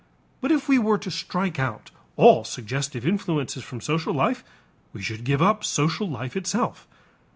But if we were to strike out all suggestive influences from social life, we should give up social life itself.